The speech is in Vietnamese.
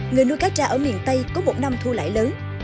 người nuôi cá tra ở miền tây có một năm thu lại lớn